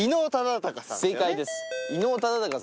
正解です。